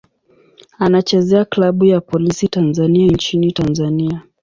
Anachezea klabu ya Polisi Tanzania nchini Tanzania.